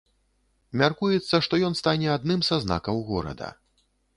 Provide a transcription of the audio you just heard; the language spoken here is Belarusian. Мяркуецца, што ён стане адным са знакаў горада.